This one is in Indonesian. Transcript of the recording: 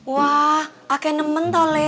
wah aku suka sekali